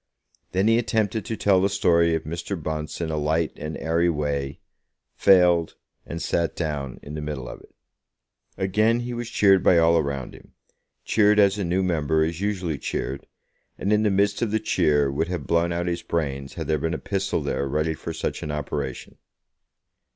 Then he attempted to tell the story of Mr. Bunce in a light and airy way, failed, and sat down in the middle of it. Again he was cheered by all around him, cheered as a new member is usually cheered, and in the midst of the cheer would have blown out his brains had there been a pistol there ready for such an operation.